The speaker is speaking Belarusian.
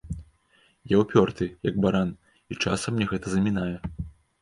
Я ўпёрты, як баран, і часам мне гэта замінае.